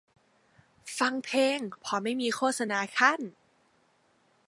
ฟังเพลงเพราะไม่มีโฆษณาคั่น